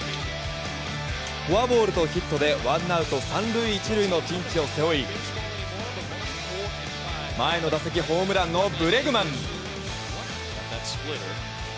フォアボールとヒットでワンアウト３塁１塁のピンチを背負い前の打席ホームランのブレグマン。